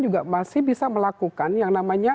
juga masih bisa melakukan yang namanya